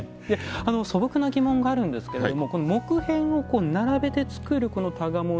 素朴な疑問があるんですけれども木片を並べて作るこの箍物。